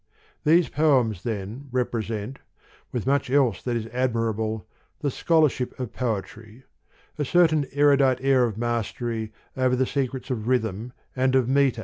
These poems, then, represent, with much else that is admirable, the scholarship of poetry; a certain erudite air of mastery over the secrets of rhythm and of metre ; THE POEMS OF MR.